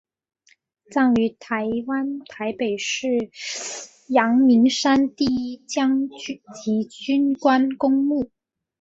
葬于台湾台北市阳明山第一将级军官公墓